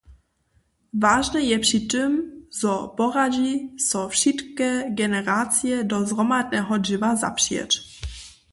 Wažne je při tym, zo poradźi so wšitke generacije do zhromadneho dźěła zapřijeć.